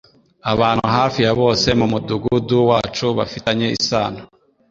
Abantu hafi ya bose mumudugudu wacu bafitanye isano